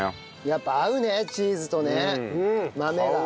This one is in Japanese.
やっぱ合うねチーズとね豆が。